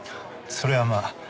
それはまあ。